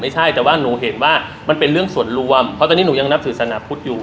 ไม่ใช่แต่ว่าหนูเห็นว่ามันเป็นเรื่องส่วนรวมเพราะตอนนี้หนูยังนับถือศาสนาพุทธอยู่